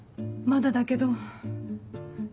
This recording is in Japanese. まだだけど。